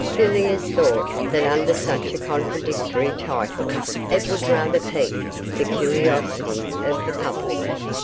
Villiers thought that under such a contradictory title it would rather pique the curiosity of the public.